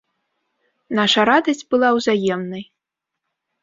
Наша радасць была ўзаемнай.